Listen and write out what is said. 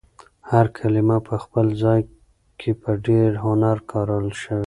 هر کلمه په خپل ځای کې په ډېر هنر کارول شوې.